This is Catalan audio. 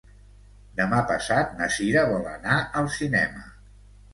Demà passat na Cira vol anar al cinema.